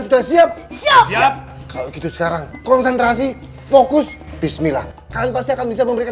sudah siap siap kalau gitu sekarang konsentrasi fokus bismillah kalian pasti akan bisa memberikan